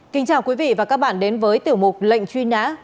kính chào quý vị và các bạn đến với tiểu mục lệnh truy nã